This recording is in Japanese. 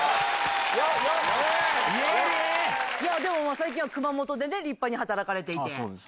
最近は熊本でね立派に働かれていて。